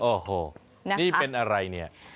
โอ้โหนี่เป็นอะไรเนี่ย